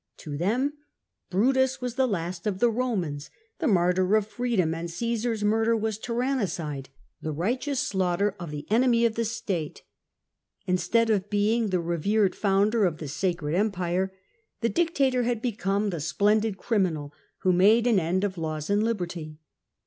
To them r)rutus was the "last of the Romans," the martyr of freedom, and Oiesar's murder was " tyrannicide," the righteous slaiighter of the enemy of the state. Instead of being the revered founder of the sacred empire, the dictator had become the splendid criminal who made an end of laws and liberty.